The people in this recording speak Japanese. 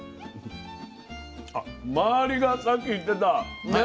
周りがさっき言ってたね